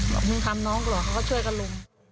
บอกนึกคำน้องเหรอเค้าก็ช่วยกับลุง